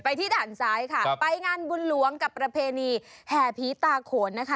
ที่ด่านซ้ายค่ะไปงานบุญหลวงกับประเพณีแห่ผีตาโขนนะคะ